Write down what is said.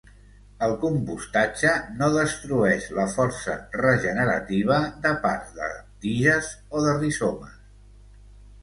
El compostatge no destrueix la força regenerativa de parts de tiges o de rizomes.